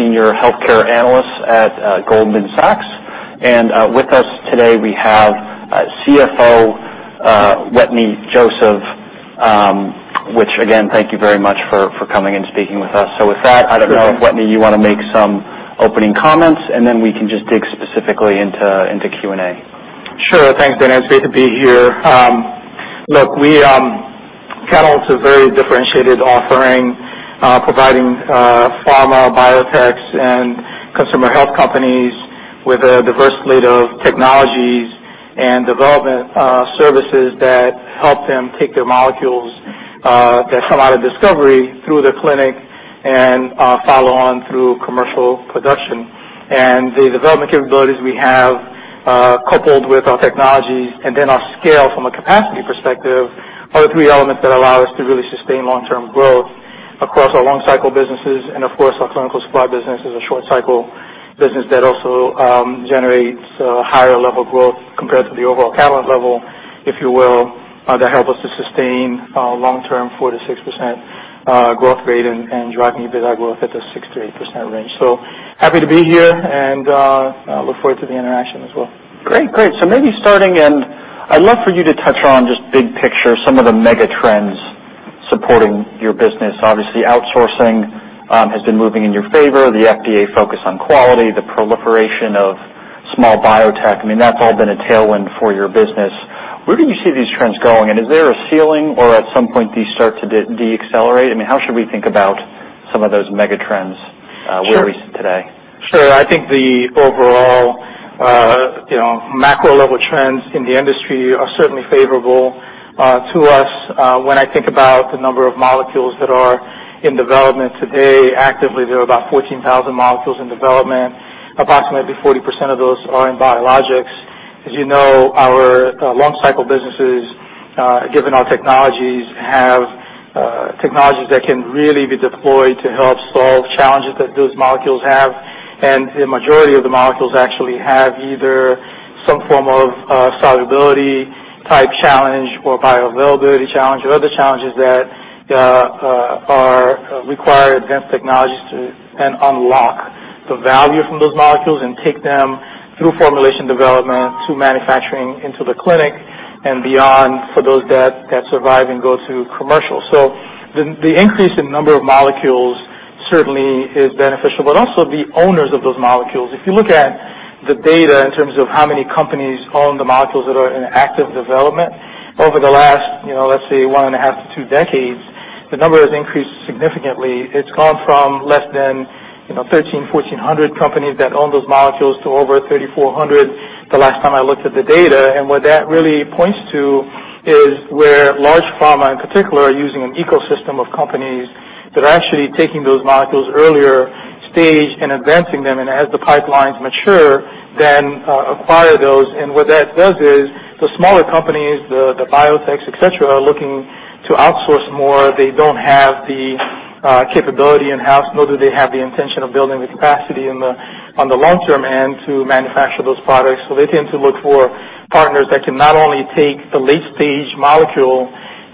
Senior Healthcare Analyst at Goldman Sachs. And with us today, we have CFO Wetteny Joseph, which again, thank you very much for coming and speaking with us. So with that, I don't know if Wetteny, you want to make some opening comments, and then we can just dig specifically into Q&A. Sure. Thanks, Dan. It's great to be here. Look, Catalent is a very differentiated offering, providing pharma, biotech, and consumer health companies with a diverse slate of technologies and development services that help them take their molecules that come out of discovery through the clinic and follow on through commercial production. And the development capabilities we have, coupled with our technologies and then our scale from a capacity perspective, are the three elements that allow us to really sustain long-term growth across our long-cycle businesses. And of course, our clinical supply business is a short-cycle business that also generates a higher level of growth compared to the overall Catalent level, if you will, that helps us to sustain a long-term 4%-6% growth rate and driving EBITDA growth at the 6%-8% range. So happy to be here, and I look forward to the interaction as well. Great. Great. So maybe starting in, I'd love for you to touch on just big picture, some of the megatrends supporting your business. Obviously, outsourcing has been moving in your favor, the FDA focus on quality, the proliferation of small biotech. I mean, that's all been a tailwind for your business. Where do you see these trends going? And is there a ceiling, or at some point, do you start to decelerate? I mean, how should we think about some of those megatrends where we sit today? Sure. I think the overall macro-level trends in the industry are certainly favorable to us. When I think about the number of molecules that are in development today, actively, there are about 14,000 molecules in development. Approximately 40% of those are in Biologics. As you know, our long-cycle businesses, given our technologies, have technologies that can really be deployed to help solve challenges that those molecules have. And the majority of the molecules actually have either some form of solubility-type challenge or bioavailability challenge or other challenges that require advanced technologies to unlock the value from those molecules and take them through formulation development to manufacturing into the clinic and beyond for those that survive and go to commercial. So the increase in number of molecules certainly is beneficial, but also the owners of those molecules. If you look at the data in terms of how many companies own the molecules that are in active development over the last, let's say, one and a half to two decades, the number has increased significantly. It's gone from less than 1,300, 1,400 companies that own those molecules to over 3,400 the last time I looked at the data. And what that really points to is where large pharma, in particular, are using an ecosystem of companies that are actually taking those molecules earlier stage and advancing them. And as the pipelines mature, then acquire those. And what that does is the smaller companies, the biotech, etc., are looking to outsource more. They don't have the capability in-house, nor do they have the intention of building the capacity on the long-term end to manufacture those products. So they tend to look for partners that can not only take the late-stage molecule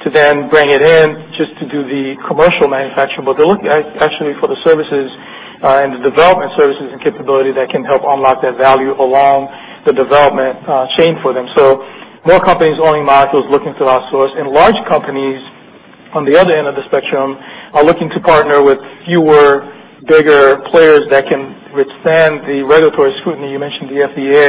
to then bring it in just to do the commercial manufacturing, but they're looking actually for the services and the development services and capability that can help unlock that value along the development chain for them. So more companies owning molecules looking to outsource. And large companies, on the other end of the spectrum, are looking to partner with fewer, bigger players that can withstand the regulatory scrutiny. You mentioned the FDA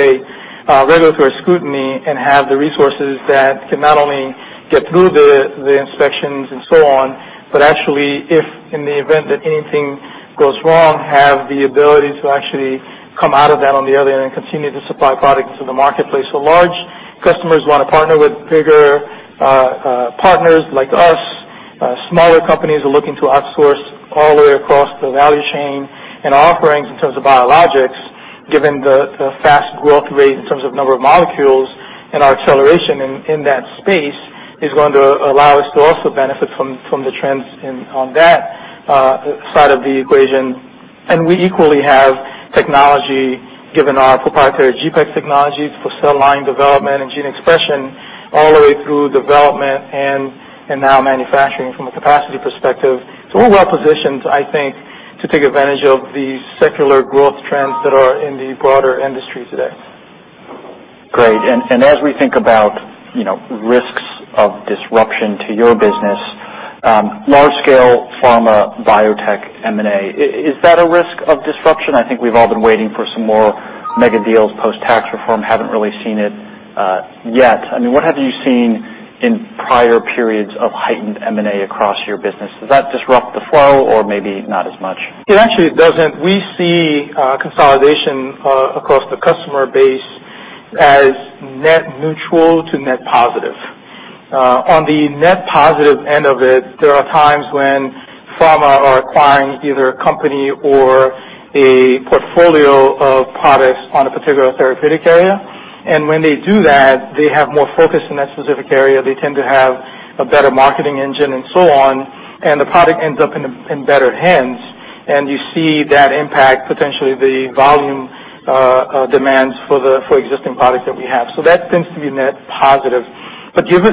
regulatory scrutiny and have the resources that can not only get through the inspections and so on, but actually, if in the event that anything goes wrong, have the ability to actually come out of that on the other end and continue to supply products to the marketplace. So large customers want to partner with bigger partners like us. Smaller companies are looking to outsource all the way across the value chain and offerings in terms of Biologics, given the fast growth rate in terms of number of molecules and our acceleration in that space is going to allow us to also benefit from the trends on that side of the equation. And we equally have technology, given our proprietary GPEx technologies for Cell Line Development and gene expression, all the way through development and now manufacturing from a capacity perspective. So we're well positioned, I think, to take advantage of these secular growth trends that are in the broader industry today. Great. And as we think about risks of disruption to your business, large-scale pharma, biotech, M&A, is that a risk of disruption? I think we've all been waiting for some more mega deals post-tax reform. Haven't really seen it yet. I mean, what have you seen in prior periods of heightened M&A across your business? Does that disrupt the flow, or maybe not as much? It actually doesn't. We see consolidation across the customer base as net neutral to net positive. On the net positive end of it, there are times when pharma are acquiring either a company or a portfolio of products on a particular therapeutic area. And when they do that, they have more focus in that specific area. They tend to have a better marketing engine and so on. And the product ends up in better hands. And you see that impact, potentially, the volume demands for existing products that we have. So that tends to be net positive. But given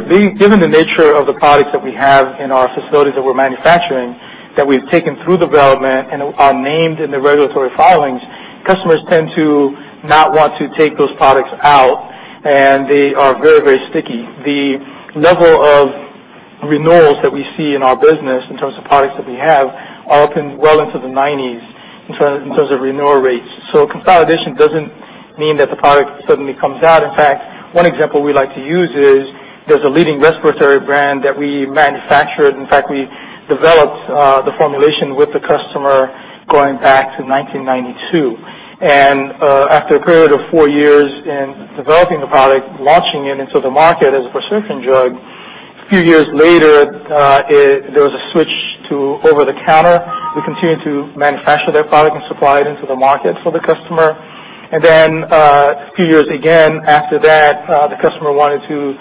the nature of the products that we have in our facilities that we're manufacturing, that we've taken through development and are named in the regulatory filings, customers tend to not want to take those products out. And they are very, very sticky. The level of renewals that we see in our business in terms of products that we have are up and well into the 90s in terms of renewal rates. So consolidation doesn't mean that the product suddenly comes out. In fact, one example we like to use is there's a leading respiratory brand that we manufactured. In fact, we developed the formulation with the customer going back to 1992. And after a period of four years in developing the product, launching it into the market as a prescription drug, a few years later, there was a switch to over-the-counter. We continued to manufacture that product and supply it into the market for the customer. And then a few years again after that, the customer wanted to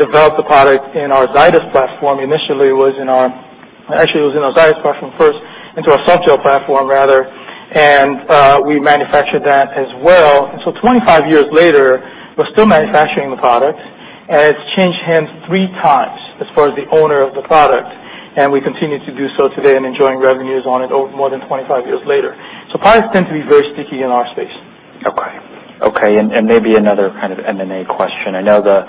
develop the product in our Zydis platform. Initially, actually, it was in our Zydis platform first, into our Softgel platform, rather. And we manufactured that as well. And so 25 years later, we're still manufacturing the product. And it's changed hands three times as far as the owner of the product. And we continue to do so today and enjoying revenues on it over more than 25 years later. Products tend to be very sticky in our space. Okay. Okay. And maybe another kind of M&A question. I know the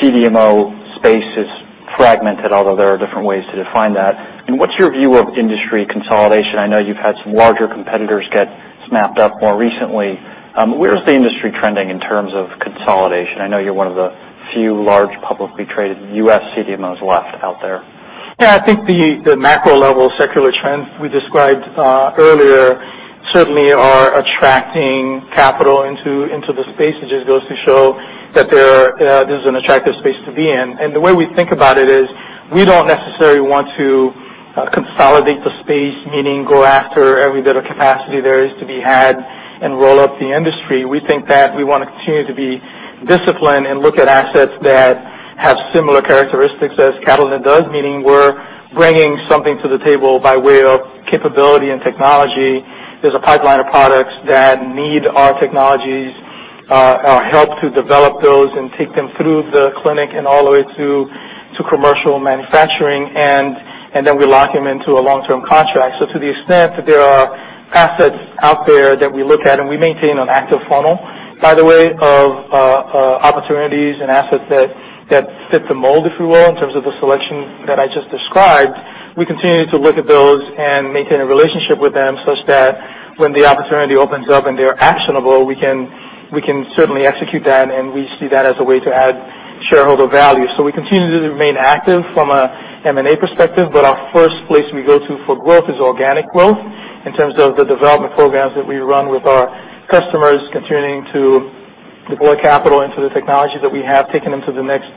CDMO space is fragmented, although there are different ways to define that. And what's your view of industry consolidation? I know you've had some larger competitors get snapped up more recently. Where is the industry trending in terms of consolidation? I know you're one of the few large publicly traded U.S. CDMOs left out there. Yeah. I think the macro-level secular trends we described earlier certainly are attracting capital into the space. It just goes to show that this is an attractive space to be in. And the way we think about it is we don't necessarily want to consolidate the space, meaning go after every bit of capacity there is to be had and roll up the industry. We think that we want to continue to be disciplined and look at assets that have similar characteristics as Catalent does, meaning we're bringing something to the table by way of capability and technology. There's a pipeline of products that need our technologies, our help to develop those and take them through the clinic and all the way to commercial manufacturing. And then we lock them into a long-term contract. So to the extent that there are assets out there that we look at and we maintain an active funnel, by the way, of opportunities and assets that fit the mold, if you will, in terms of the selection that I just described, we continue to look at those and maintain a relationship with them such that when the opportunity opens up and they're actionable, we can certainly execute that. And we see that as a way to add shareholder value. So we continue to remain active from an M&A perspective. But our first place we go to for growth is organic growth in terms of the development programs that we run with our customers, continuing to deploy capital into the technology that we have, taking them to the next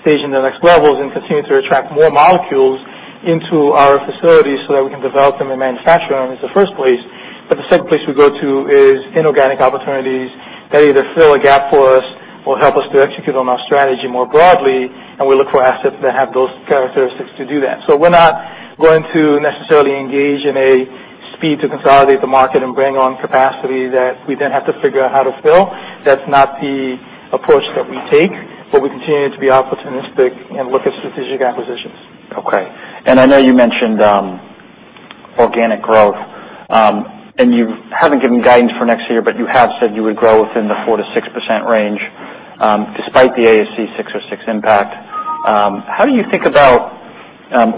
stage and the next levels and continue to attract more molecules into our facilities so that we can develop them and manufacture them in the first place. But the second place we go to is inorganic opportunities that either fill a gap for us or help us to execute on our strategy more broadly. And we look for assets that have those characteristics to do that. So we're not going to necessarily engage in a speed to consolidate the market and bring on capacity that we then have to figure out how to fill. That's not the approach that we take. We continue to be opportunistic and look at strategic acquisitions. Okay. And I know you mentioned organic growth. And you haven't given guidance for next year, but you have said you would grow within the 4%-6% range despite the ASC 606 impact. How do you think about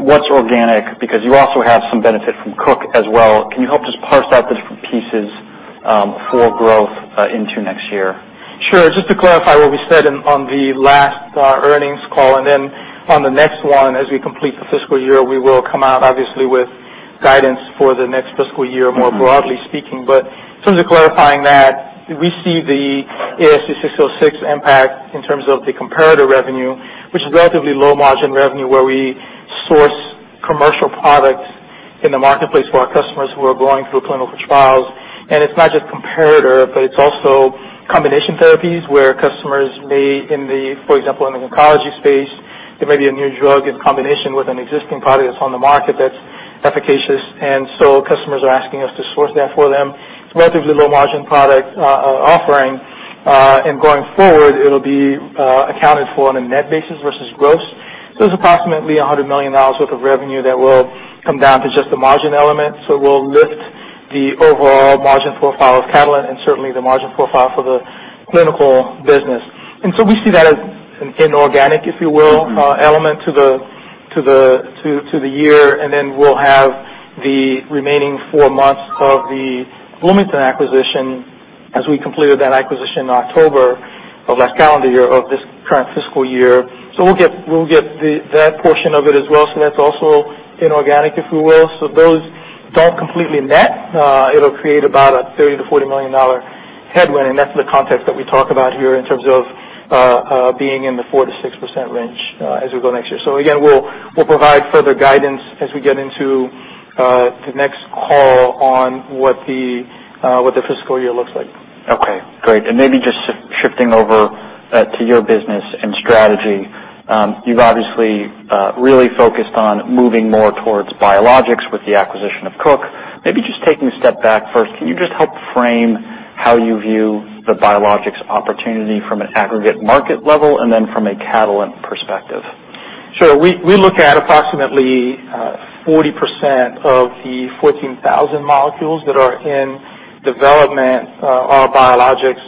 what's organic? Because you also have some benefit from Cook as well. Can you help just parse out the different pieces for growth into next year? Sure. Just to clarify what we said on the last earnings call and then on the next one, as we complete the fiscal year, we will come out, obviously, with guidance for the next fiscal year more broadly speaking, but in terms of clarifying that, we see the ASC 606 impact in terms of the comparator revenue, which is relatively low-margin revenue where we source commercial products in the marketplace for our customers who are going through clinical trials, and it's not just comparator, but it's also combination therapies where customers may, for example, in the oncology space, there may be a new drug in combination with an existing product that's on the market that's efficacious, and so customers are asking us to source that for them. It's a relatively low-margin product offering, and going forward, it'll be accounted for on a net basis versus gross. So it's approximately $100 million worth of revenue that will come down to just the margin element. So it will lift the overall margin profile of Catalent and certainly the margin profile for the clinical business. And so we see that as an inorganic, if you will, element to the year. And then we'll have the remaining four months of the Bloomington acquisition as we completed that acquisition in October of last calendar year of this current fiscal year. So we'll get that portion of it as well. So that's also inorganic, if you will. So those don't completely net. It'll create about a $30-$40 million headwind. And that's the context that we talk about here in terms of being in the 4%-6% range as we go next year. So again, we'll provide further guidance as we get into the next call on what the fiscal year looks like. Okay. Great. And maybe just shifting over to your business and strategy. You've obviously really focused on moving more towards Biologics with the acquisition of Cook. Maybe just taking a step back first, can you just help frame how you view the Biologics opportunity from an aggregate market level and then from a Catalent perspective? Sure. We look at approximately 40% of the 14,000 molecules that are in development are Biologics.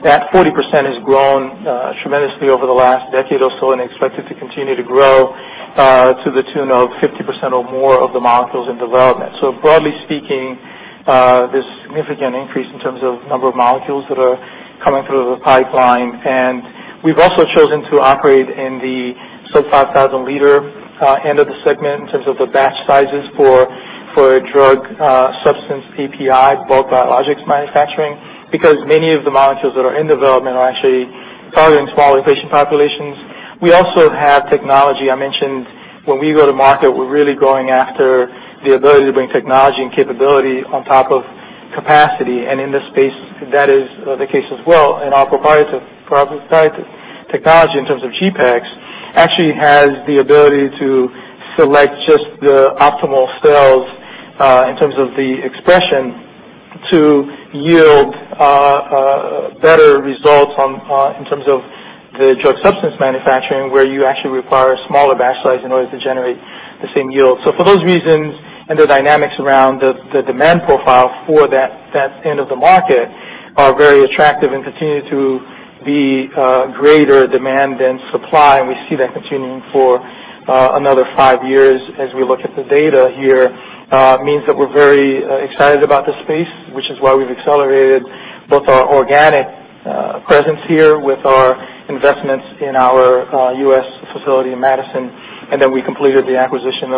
That 40% has grown tremendously over the last decade or so and expected to continue to grow to the tune of 50% or more of the molecules in development. Broadly speaking, there's a significant increase in terms of number of molecules that are coming through the pipeline. We've also chosen to operate in the sub-5,000-liter end of the segment in terms of the batch sizes for drug substance API, both Biologics manufacturing, because many of the molecules that are in development are actually targeting small patient populations. We also have technology. I mentioned when we go to market, we're really going after the ability to bring technology and capability on top of capacity. In this space, that is the case as well. And our proprietary technology in terms of GPEx actually has the ability to select just the optimal cells in terms of the expression to yield better results in terms of the drug substance manufacturing where you actually require a smaller batch size in order to generate the same yield. So for those reasons and the dynamics around the demand profile for that end of the market are very attractive and continue to be greater demand than supply. And we see that continuing for another five years as we look at the data here. It means that we're very excited about the space, which is why we've accelerated both our organic presence here with our investments in our U.S. facility in Madison and then we completed the acquisition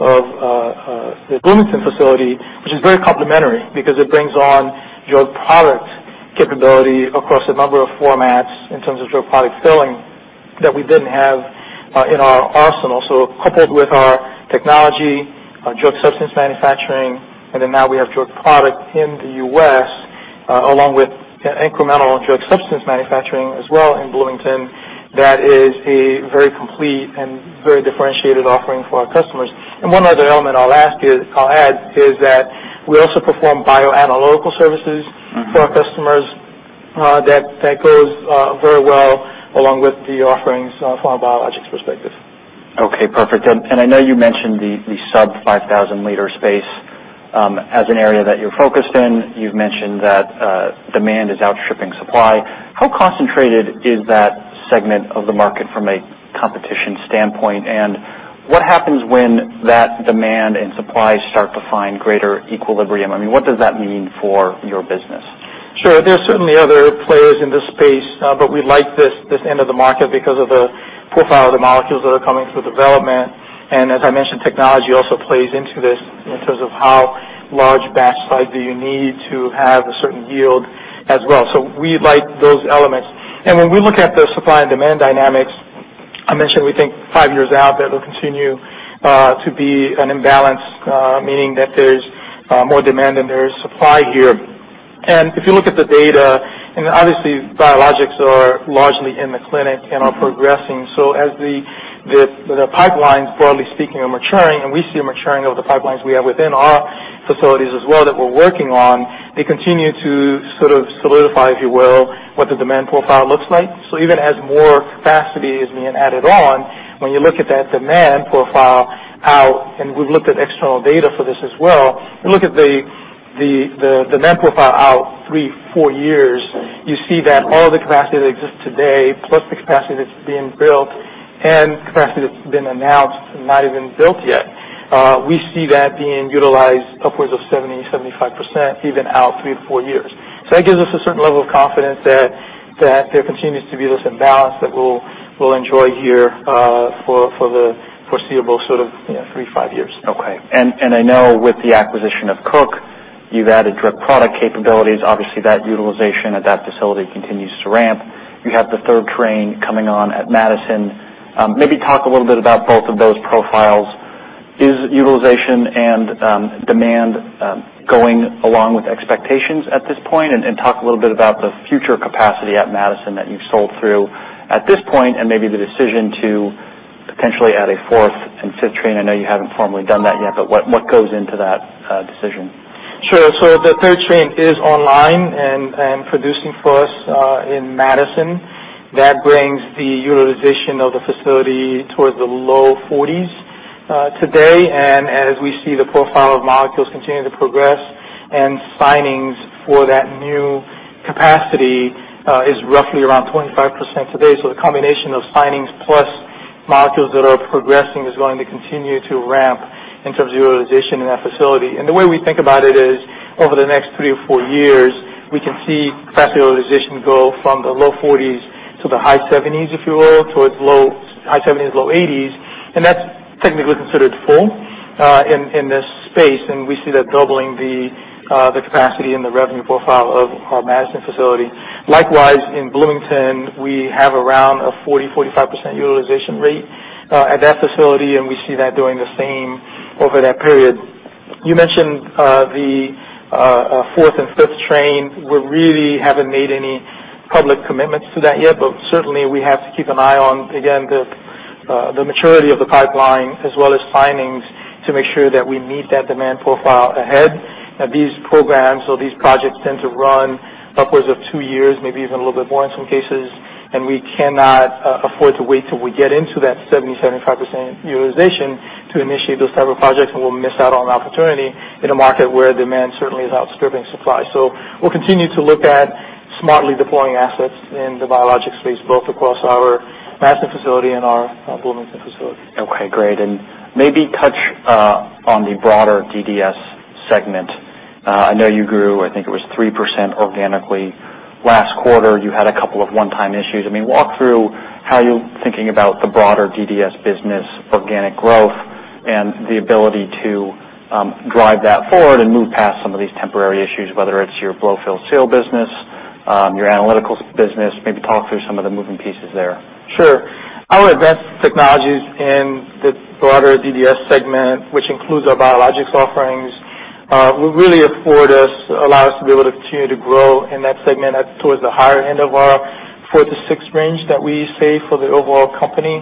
of the Bloomington facility, which is very complementary because it brings on drug product capability across a number of formats in terms of drug product filling that we didn't have in our arsenal. So coupled with our technology, our drug substance manufacturing, and then now we have drug product in the U.S. along with incremental drug substance manufacturing as well in Bloomington, that is a very complete and very differentiated offering for our customers. And one other element I'll add is that we also perform bioanalytical services for our customers. That goes very well along with the offerings from a Biologics perspective. Okay. Perfect. And I know you mentioned the sub-5,000-liter space as an area that you're focused in. You've mentioned that demand is outstripping supply. How concentrated is that segment of the market from a competition standpoint? And what happens when that demand and supply start to find greater equilibrium? I mean, what does that mean for your business? Sure. There's certainly other players in this space. But we like this end of the market because of the profile of the molecules that are coming through development. And as I mentioned, technology also plays into this in terms of how large batch size do you need to have a certain yield as well. So we like those elements. And when we look at the supply and demand dynamics, I mentioned we think five years out that it'll continue to be an imbalance, meaning that there's more demand than there is supply here. And if you look at the data, and obviously Biologics are largely in the clinic and are progressing. So as the pipelines, broadly speaking, are maturing, and we see a maturing of the pipelines we have within our facilities as well that we're working on, they continue to sort of solidify, if you will, what the demand profile looks like. So even as more capacity is being added on, when you look at that demand profile out, and we've looked at external data for this as well, you look at the demand profile out three, four years, you see that all of the capacity that exists today plus the capacity that's being built and capacity that's been announced and not even built yet, we see that being utilized upwards of 70%-75% even out three to four years. So that gives us a certain level of confidence that there continues to be this imbalance that we'll enjoy here for the foreseeable sort of three, five years. Okay. And I know with the acquisition of Cook, you've added drug product capabilities. Obviously, that utilization at that facility continues to ramp. You have the third train coming on at Madison. Maybe talk a little bit about both of those profiles. Is utilization and demand going along with expectations at this point? And talk a little bit about the future capacity at Madison that you've sold through at this point and maybe the decision to potentially add a fourth and fifth train. I know you haven't formally done that yet, but what goes into that decision? Sure. So the third train is online and producing for us in Madison. That brings the utilization of the facility towards the low 40s today. And as we see the profile of molecules continue to progress and signings for that new capacity is roughly around 25% today. So the combination of signings plus molecules that are progressing is going to continue to ramp in terms of utilization in that facility. And the way we think about it is over the next three or four years, we can see capacity utilization go from the low 40s to the high 70s, if you will, towards low high 70s, low 80s. And that's technically considered full in this space. And we see that doubling the capacity and the revenue profile of our Madison facility. Likewise, in Bloomington, we have around a 40%-45% utilization rate at that facility. And we see that doing the same over that period. You mentioned the fourth and fifth train. We really haven't made any public commitments to that yet. But certainly, we have to keep an eye on, again, the maturity of the pipeline as well as signings to make sure that we meet that demand profile ahead. Now, these programs or these projects tend to run upwards of two years, maybe even a little bit more in some cases. And we cannot afford to wait till we get into that 70%-75% utilization to initiate those type of projects. And we'll miss out on an opportunity in a market where demand certainly is outstripping supply. So we'll continue to look at smartly deploying assets in the Biologics space both across our Madison facility and our Bloomington facility. Okay. Great. And maybe touch on the broader DDS segment. I know you grew, I think it was 3% organically. Last quarter, you had a couple of one-time issues. I mean, walk through how you're thinking about the broader DDS business, organic growth, and the ability to drive that forward and move past some of these temporary issues, whether it's your blow-fill-seal business, your analytical business. Maybe talk through some of the moving pieces there. Sure. Our advanced technologies in the broader DDS segment, which includes our Biologics offerings, will really afford us, allow us to be able to continue to grow in that segment towards the higher end of our four to six range that we say for the overall company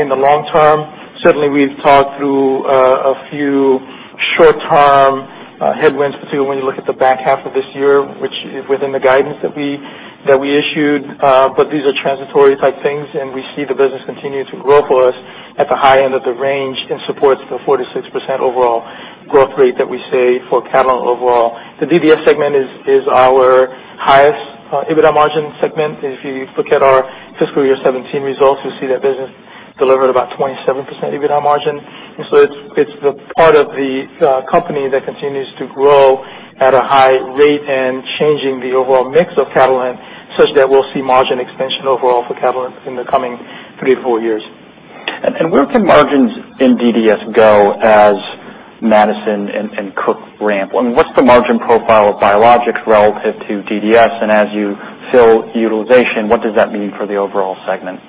in the long term. Certainly, we've talked through a few short-term headwinds, particularly when you look at the back half of this year, which is within the guidance that we issued. But these are transitory type things. And we see the business continue to grow for us at the high end of the range and supports the 4%-6% overall growth rate that we say for Catalent overall. The DDS segment is our highest EBITDA margin segment. If you look at our fiscal year 2017 results, you'll see that business delivered about 27% EBITDA margin. And so it's the part of the company that continues to grow at a high rate and changing the overall mix of Catalent such that we'll see margin extension overall for Catalent in the coming three to four years. And where can margins in DDS go as Madison and Cook ramp? I mean, what's the margin profile of Biologics relative to DDS? And as you fill utilization, what does that mean for the overall segment?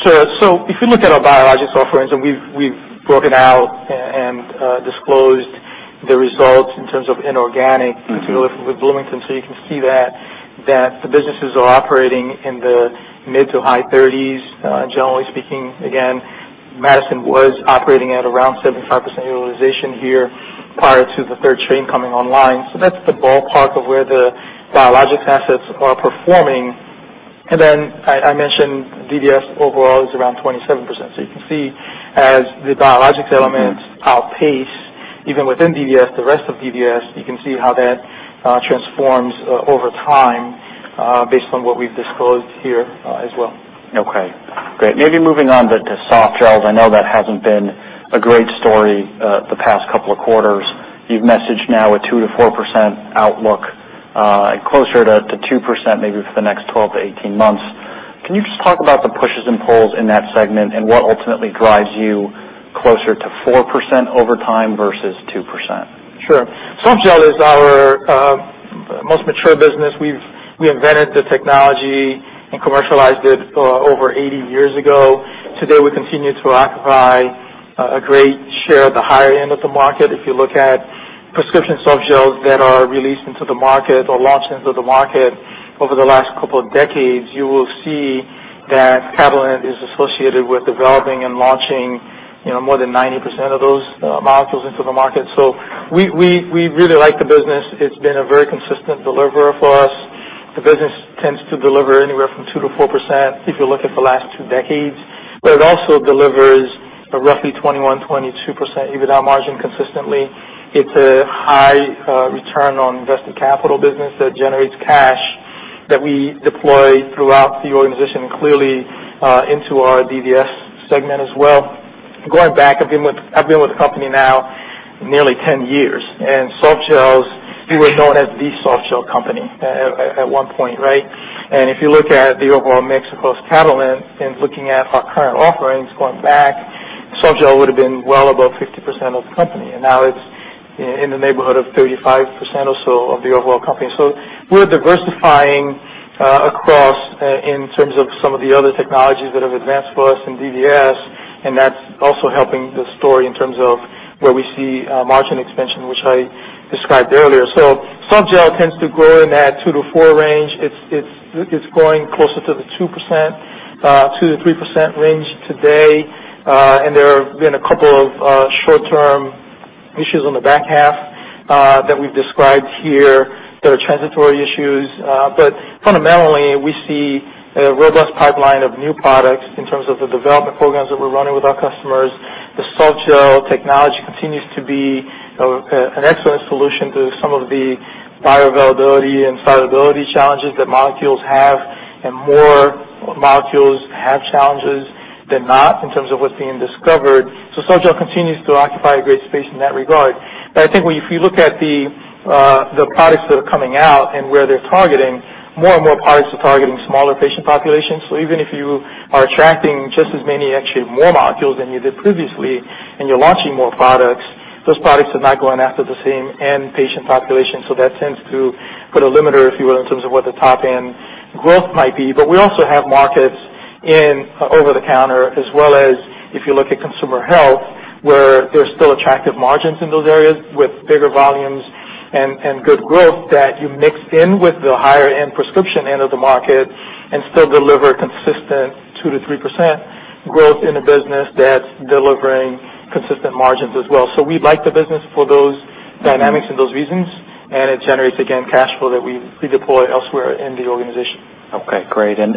Sure. So if you look at our Biologics offerings, we've broken out and disclosed the results in terms of inorganic, particularly for Bloomington. So you can see that the businesses are operating in the mid-to-high 30s, generally speaking. Again, Madison was operating at around 75% utilization here prior to the third train coming online. So that's the ballpark of where the Biologics assets are performing. And then I mentioned DDS overall is around 27%. So you can see as the Biologics elements outpace, even within DDS, the rest of DDS, you can see how that transforms over time based on what we've disclosed here as well. Okay. Great. Maybe moving on to softgels. I know that hasn't been a great story the past couple of quarters. You've messaged now a 2%-4% outlook and closer to 2% maybe for the next 12-18 months. Can you just talk about the pushes and pulls in that segment and what ultimately drives you closer to 4% over time versus 2%? Sure. Softgel is our most mature business. We invented the technology and commercialized it over 80 years ago. Today, we continue to occupy a great share of the higher end of the market. If you look at prescription softgels that are released into the market or launched into the market over the last couple of decades, you will see that Catalent is associated with developing and launching more than 90% of those molecules into the market. So we really like the business. It's been a very consistent deliverer for us. The business tends to deliver anywhere from 2%-4% if you look at the last two decades. But it also delivers a roughly 21%-22% EBITDA margin consistently. It's a high return on invested capital business that generates cash that we deploy throughout the organization and clearly into our DDS segment as well. Going back, I've been with the company now nearly 10 years. And softgel, we were known as the softgel company at one point, right? And if you look at the overall mix across Catalent and looking at our current offerings going back, softgel would have been well above 50% of the company. And now it's in the neighborhood of 35% or so of the overall company. So we're diversifying across in terms of some of the other technologies that have advanced for us in DDS. And that's also helping the story in terms of where we see margin expansion, which I described earlier. So softgel tends to grow in that 2 to 4 range. It's going closer to the 2%, 2%-3% range today. And there have been a couple of short-term issues on the back half that we've described here that are transitory issues. But fundamentally, we see a robust pipeline of new products in terms of the development programs that we're running with our customers. The softgel technology continues to be an excellent solution to some of the bioavailability and solubility challenges that molecules have. And more molecules have challenges than not in terms of what's being discovered. So softgel continues to occupy a great space in that regard. But I think if you look at the products that are coming out and where they're targeting, more and more products are targeting smaller patient populations. So even if you are attracting just as many, actually more molecules than you did previously, and you're launching more products, those products are not going after the same end patient population. So that tends to put a limiter, if you will, in terms of what the top-end growth might be. But we also have markets in over-the-counter as well as if you look at consumer health, where there's still attractive margins in those areas with bigger volumes and good growth that you mix in with the higher-end prescription end of the market and still deliver consistent 2%-3% growth in a business that's delivering consistent margins as well. So we like the business for those dynamics and those reasons. And it generates, again, cash flow that we redeploy elsewhere in the organization. Okay. Great. And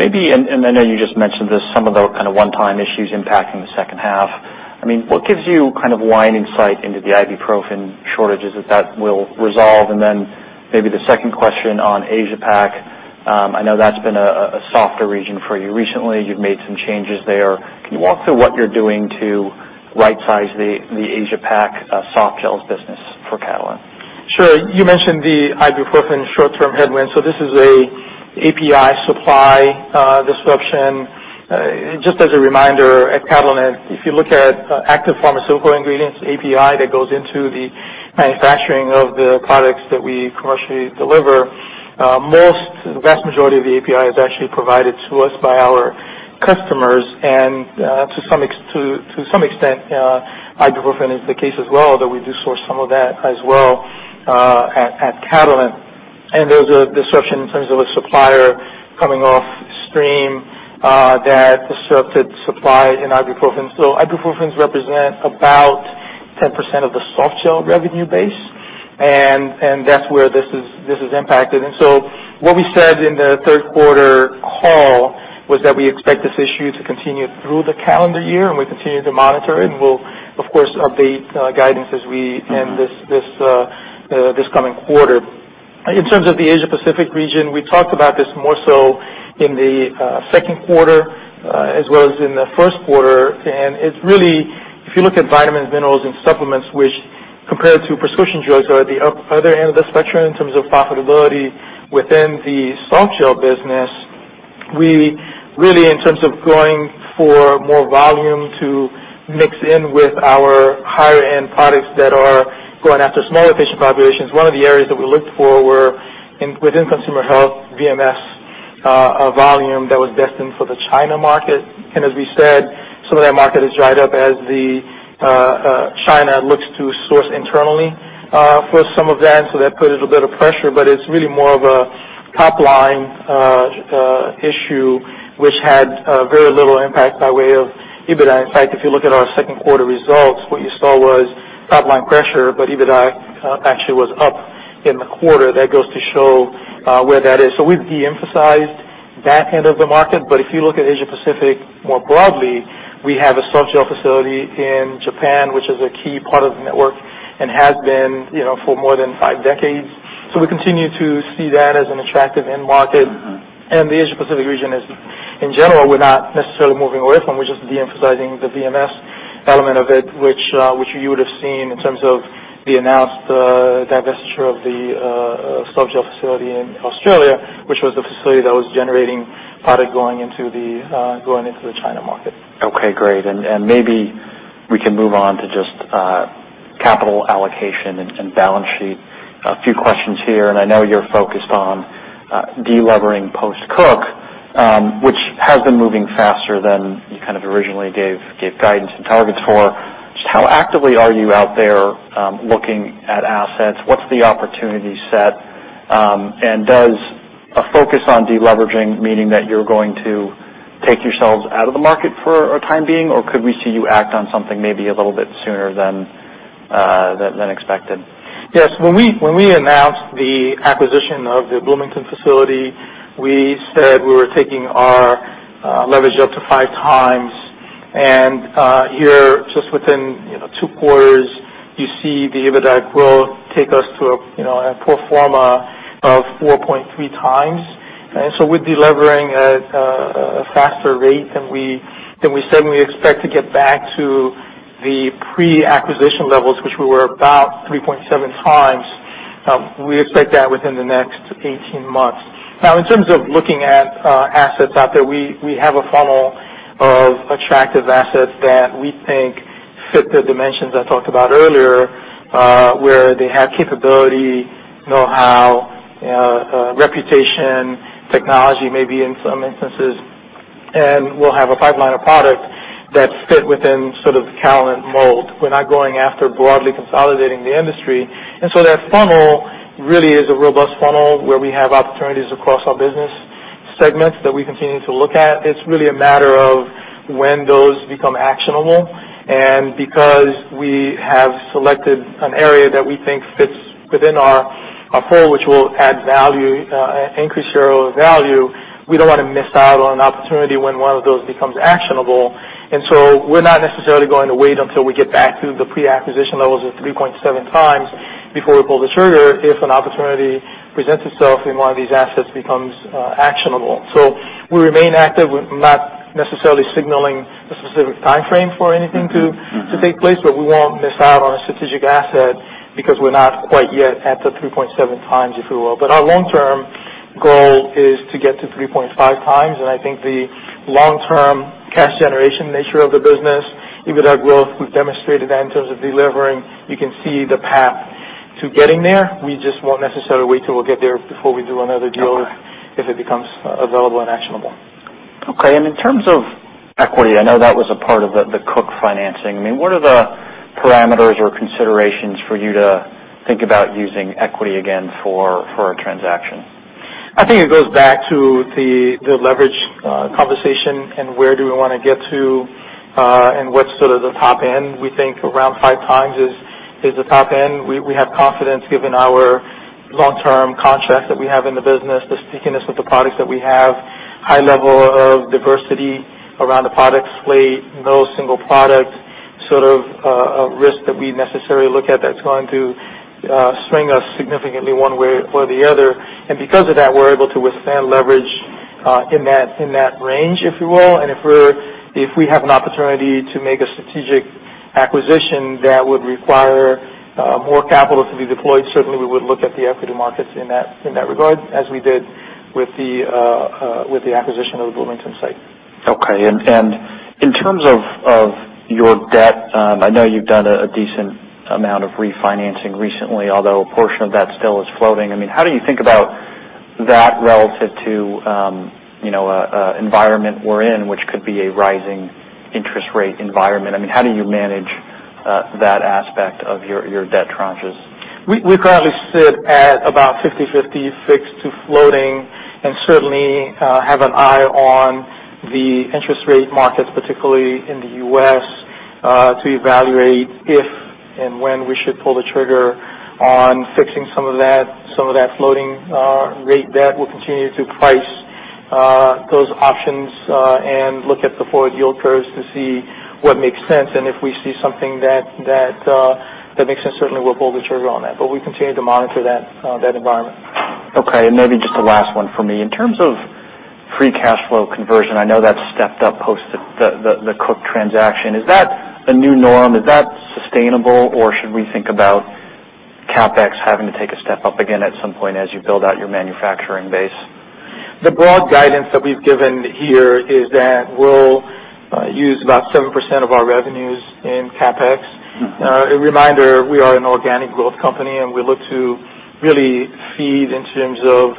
maybe, and I know you just mentioned this, some of the kind of one-time issues impacting the second half. I mean, what gives you kind of wide insight into the ibuprofen shortages that that will resolve? And then maybe the second question on Asia-Pac. I know that's been a softer region for you recently. You've made some changes there. Can you walk through what you're doing to right-size the Asia-Pac softgels business for Catalent? Sure. You mentioned the ibuprofen short-term headwinds. So this is an API supply disruption. Just as a reminder at Catalent, if you look at active pharmaceutical ingredients API that goes into the manufacturing of the products that we commercially deliver, most, the vast majority of the API is actually provided to us by our customers. And to some extent, ibuprofen is the case as well, although we do source some of that as well at Catalent. And there's a disruption in terms of a supplier coming off stream that disrupted supply in ibuprofen. So ibuprofens represent about 10% of the softgel revenue base. And that's where this is impacted. And so what we said in the third quarter call was that we expect this issue to continue through the calendar year. And we continue to monitor it. And we'll, of course, update guidance as we end this coming quarter. In terms of the Asia-Pacific region, we talked about this more so in the second quarter as well as in the first quarter. And it's really, if you look at vitamins, minerals, and supplements, which compared to prescription drugs are at the other end of the spectrum in terms of profitability within the softgel business, we really, in terms of going for more volume to mix in with our higher-end products that are going after smaller patient populations, one of the areas that we looked for were within consumer health, VMS volume that was destined for the China market. And as we said, some of that market has dried up as China looks to source internally for some of that. And so that put a little bit of pressure. But it's really more of a top-line issue, which had very little impact by way of EBITDA. In fact, if you look at our second quarter results, what you saw was top-line pressure. But EBITDA actually was up in the quarter. That goes to show where that is. So we've de-emphasized that end of the market. But if you look at Asia-Pacific more broadly, we have a softgel facility in Japan, which is a key part of the network and has been for more than five decades. So we continue to see that as an attractive end market. And the Asia-Pacific region is, in general, we're not necessarily moving away from. We're just de-emphasizing the VMS element of it, which you would have seen in terms of the announced divestiture of the softgel facility in Australia, which was the facility that was generating product going into the China market. Okay. Great, and maybe we can move on to just capital allocation and balance sheet. A few questions here, and I know you're focused on deleveraging post-Cook, which has been moving faster than you kind of originally gave guidance and targets for. Just how actively are you out there looking at assets? What's the opportunity set? And does a focus on deleveraging mean that you're going to take yourselves out of the market for a time being? Or could we see you act on something maybe a little bit sooner than expected? Yes. When we announced the acquisition of the Bloomington facility, we said we were taking our leverage up to 5x. And here, just within two quarters, you see the EBITDA growth take us to a pro forma of 4.3x. And so we're delivering at a faster rate than we said. And we expect to get back to the pre-acquisition levels, which we were about 3.7x. We expect that within the next 18 months. Now, in terms of looking at assets out there, we have a funnel of attractive assets that we think fit the dimensions I talked about earlier, where they have capability, know-how, reputation, technology maybe in some instances. And we'll have a pipeline of product that fit within sort of the Catalent mold. We're not going after broadly consolidating the industry. And so that funnel really is a robust funnel where we have opportunities across our business segments that we continue to look at. It's really a matter of when those become actionable. And because we have selected an area that we think fits within our pool, which will add value, increase your value, we don't want to miss out on an opportunity when one of those becomes actionable. And so we're not necessarily going to wait until we get back to the pre-acquisition levels of 3.7x before we pull the trigger if an opportunity presents itself and one of these assets becomes actionable. So we remain active. We're not necessarily signaling a specific time frame for anything to take place. But we won't miss out on a strategic asset because we're not quite yet at the 3.7x, if you will. But our long-term goal is to get to 3.5x. And I think the long-term cash generation nature of the business, EBITDA growth, we've demonstrated that in terms of delivering. You can see the path to getting there. We just won't necessarily wait till we'll get there before we do another deal if it becomes available and actionable. Okay. And in terms of equity, I know that was a part of the Cook financing. I mean, what are the parameters or considerations for you to think about using equity again for a transaction? I think it goes back to the leverage conversation and where do we want to get to and what's sort of the top-end. We think around 5x is the top-end. We have confidence given our long-term contract that we have in the business, the stickiness with the products that we have, high level of diversity around the products, no single product, sort of a risk that we necessarily look at that's going to swing us significantly one way or the other, and because of that, we're able to withstand leverage in that range, if you will, and if we have an opportunity to make a strategic acquisition that would require more capital to be deployed, certainly we would look at the equity markets in that regard, as we did with the acquisition of the Bloomington site. Okay, and in terms of your debt, I know you've done a decent amount of refinancing recently, although a portion of that still is floating. I mean, how do you think about that relative to an environment we're in, which could be a rising interest rate environment? I mean, how do you manage that aspect of your debt tranches? We currently sit at about 50/50 fixed to floating and certainly have an eye on the interest rate markets, particularly in the U.S., to evaluate if and when we should pull the trigger on fixing some of that floating rate. That will continue to price those options and look at the forward yield curves to see what makes sense. And if we see something that makes sense, certainly we'll pull the trigger on that. But we continue to monitor that environment. Okay. And maybe just the last one for me. In terms of free cash flow conversion, I know that's stepped up post the Cook transaction. Is that a new norm? Is that sustainable? Or should we think about CapEx having to take a step up again at some point as you build out your manufacturing base? The broad guidance that we've given here is that we'll use about 7% of our revenues in CapEx. A reminder, we are an organic growth company and we look to really feed in terms of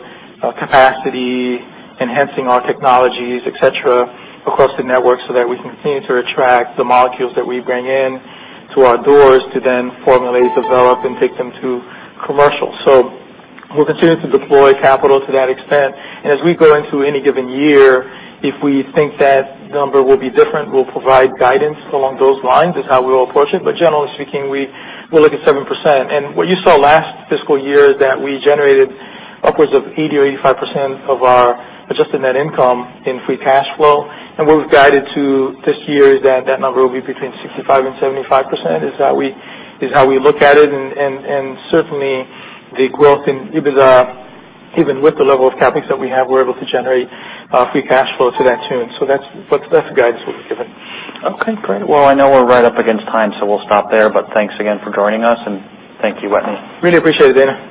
capacity, enhancing our technologies, etc., across the network so that we can continue to attract the molecules that we bring in to our doors to then formulate, develop, and take them to commercial. So we'll continue to deploy capital to that extent and as we go into any given year, if we think that number will be different, we'll provide guidance along those lines is how we'll approach it. But generally speaking, we'll look at 7% and what you saw last fiscal year is that we generated upwards of 80%-85% of our adjusted net income in free cash flow. And what we've guided to this year is that that number will be between 65%-75% is how we look at it. And certainly, the growth in EBITDA, even with the level of CapEx that we have, we're able to generate free cash flow to that tune. So that's the guidance we've given. Okay. Great. Well, I know we're right up against time, so we'll stop there, but thanks again for joining us, and thank you, Wetteny. Really appreciate it, Dan.